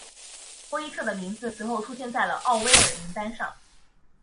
多伊彻的名字随后出现在了奥威尔名单上。